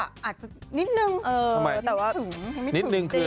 อาจจะนิดนึงแต่ว่าถึงนิดนึงคือ